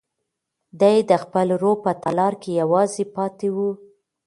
دی د خپل روح په تالار کې یوازې پاتې و.